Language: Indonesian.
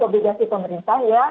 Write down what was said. obligasi pemerintah ya